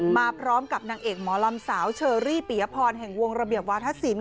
มาพร้อมกับนางเอกหมอลำสาวเชอรี่ปียพรแห่งวงระเบียบวาธศิลป